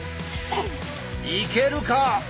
いけるか！